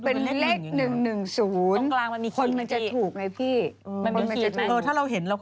เธอเห็นเขาก็บอกเห็นเป็นเลข๑๑๐